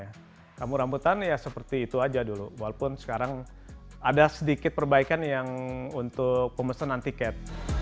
ya rambu rambutan ya seperti itu aja dulu walaupun sekarang ada sedikit perbaikan yang untuk pemesanan tiket